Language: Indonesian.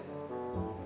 lo gak percaya